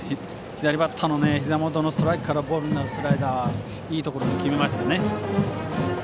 左バッターのひざ元のストライクからボールになるスライダーをいいところに決めましたね。